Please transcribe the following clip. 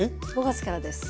５月からです。